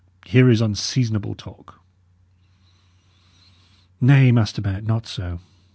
"Here is unseasonable talk." "Nay, Master Bennet, not so.